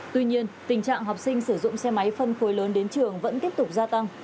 tuy nhiên tình trạng học sinh sử dụng xe máy phân khối lớn đến trường vẫn tiếp tục gia tăng